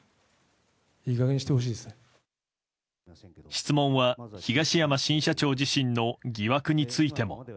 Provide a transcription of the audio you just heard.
質問は東山新社長自身の疑惑についても。